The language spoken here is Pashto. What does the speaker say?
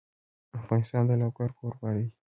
افغانستان د لوگر کوربه دی.